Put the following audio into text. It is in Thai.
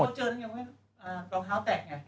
แล้วเขาเจอยังไงว่าลองเท้าแตะไง